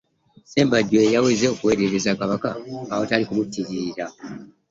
Ssembajjwe yaweze okuweereza Kabaka awatali kumutiiririra.